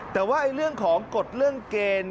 แต่ว่าเรื่องของกฎเรื่องเกณฑ์